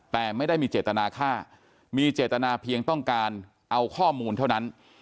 แต่ไม่ได้มีเจตนาฆ่ามีเจตนาเพียงต้องการเอาข้อมูลเท่านั้น